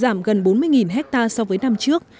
giảm gần bốn mươi hectare so với năm trước